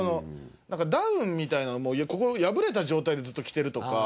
ダウンみたいなのもここ破れた状態でずっと着てるとか。